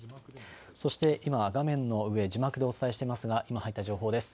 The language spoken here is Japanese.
そして今、画面の上字幕でお伝えしていますが今入った情報です。